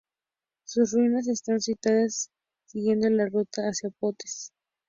Sus ruinas están situadas siguiendo la ruta hacia Potes.